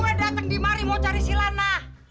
gue dateng di mari mau cari si lana